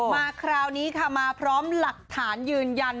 มาคราวนี้ค่ะมาพร้อมหลักฐานยืนยัน